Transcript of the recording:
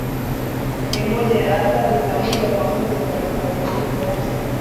Ni moja ya athari za moja kwa moja za mabadiliko ya